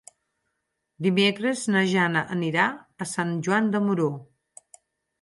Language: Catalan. Dimecres na Jana anirà a Sant Joan de Moró.